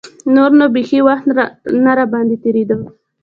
نور نو بيخي وخت نه راباندې تېرېده.